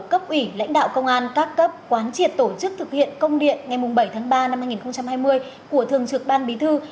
cấp ủy lãnh đạo công an các cấp quán triệt tổ chức thực hiện công điện ngày bảy tháng ba năm hai nghìn hai mươi của thường trực ban bí thư